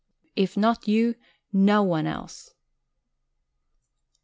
If not you, no one else.